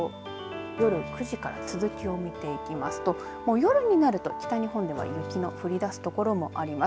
夜９時から続きを見ていきますともう夜になると北日本では雪の降りだす所もあります。